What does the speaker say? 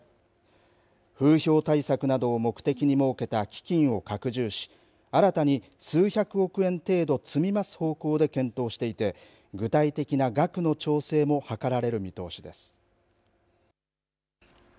風評対策などを目的に設けた基金を拡充し新たに数百億円程度積み増す方向で検討していて具体的な額の調整も図られる見通しです。